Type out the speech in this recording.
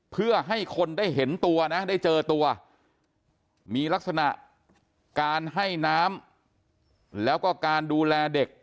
เพื่อให้คนได้เห็นตัวนะได้เจอตัวมีลักษณะการให้น้ำแล้วก็การดูแลเด็ก